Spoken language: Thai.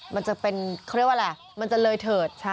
มันจะเป็นเขาเรียกว่าอะไรมันจะเลยเถิด